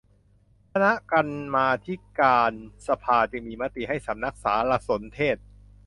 คณะกรรมาธิการกิจการสภาจึงมีมติให้สำนักสารสนเทศ